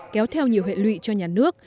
kéo theo nhiều hệ lụy cho nhà nước